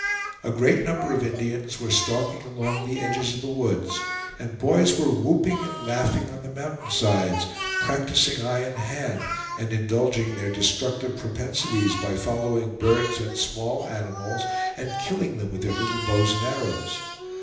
A great number of Indians were stalking along the edges of the woods, and boys were whooping and laughing on the mountain sides, practicing eye and hand, and indulging their destructive propensities by following birds and small animals and killing them with their little bows and arrows.